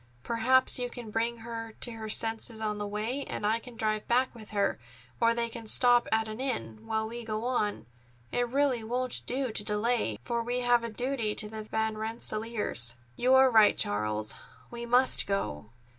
Perhaps you can bring her to her senses on the way, and I can drive back with her, or they can stop at an inn, while we go on. It really won't do to delay, for we have a duty to the Van Rensselaers." "You are right, Charles. We must go.